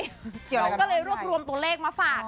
เขาก็เลยรวบรวมตัวเลขมาฝาก